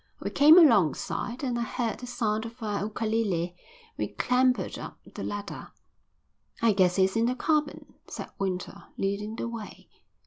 We came alongside, and I heard the sound of a ukalele. We clambered up the ladder. "I guess he's in the cabin," said Winter, leading the way.